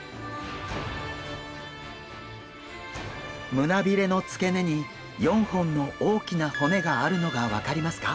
胸びれの付け根に４本の大きな骨があるのが分かりますか？